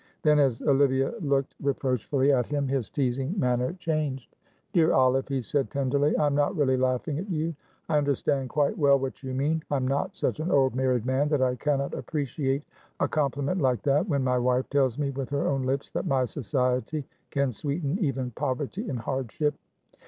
Then, as Olivia looked reproachfully at him, his teasing manner changed. "Dear Olive," he said, tenderly, "I am not really laughing at you. I understand quite well what you mean. I am not such an old married man that I cannot appreciate a compliment like that, when my wife tells me with her own lips that my society can sweeten even poverty and hardship.